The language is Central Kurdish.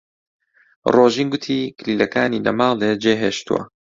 ڕۆژین گوتی کلیلەکانی لە ماڵێ جێهێشتووە.